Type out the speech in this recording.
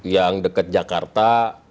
yang dekat jakarta